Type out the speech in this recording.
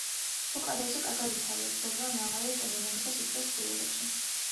ფუზარიოზი კარგად ვითარდება მაღალი ტენიანობისა და სითბოს პირობებში.